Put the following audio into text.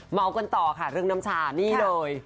เมากันต่อค่ะเรื่องน้ำชานี่เลย